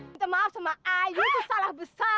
minta maaf sama ayu itu salah besar